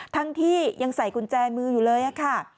ทั้งที่ยังใส่กุญแจมืออยู่เลยค่ะ